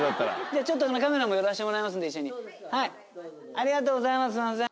ありがとうございますすいません。